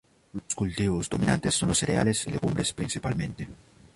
Los cultivos dominantes son los cereales y legumbres principalmente.